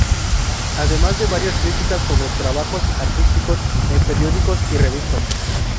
Además de varias críticas sobre trabajos artísticos en periódicos y revistas.